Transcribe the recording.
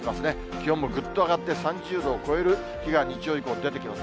気温もぐっと上がって３０度を超える日が日曜以降、出てきます。